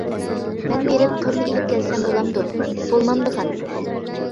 -مەن بېرىپ تورنى ئېلىپ كەلسەم بولامدۇ؟ -بولمامدىغان.